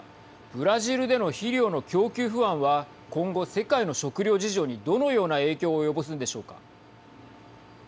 ブラジルでの肥料の供給不安は今後、世界の食糧事情にどのような影響を及ぼすんでしょうか。